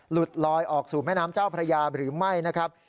หลุดลอยออกสู่แม่น้ำเจ้าพระยาหรือไม่นะครับ